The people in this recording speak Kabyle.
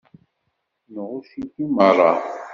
Nɣucc-ik i meṛṛa.